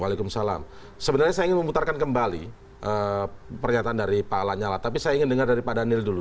waalaikumsalam sebenarnya saya ingin memutarkan kembali pernyataan dari pak lanyala tapi saya ingin dengar dari pak daniel dulu